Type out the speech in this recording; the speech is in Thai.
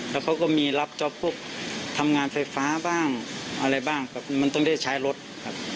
แล้วเขาก็มีรับจ๊อปพวกทำงานไฟฟ้าบ้างอะไรบ้างครับมันต้องได้ใช้รถครับ